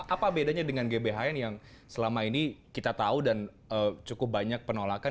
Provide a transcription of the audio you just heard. apa bedanya dengan gbhn yang selama ini kita tahu dan cukup banyak penolakan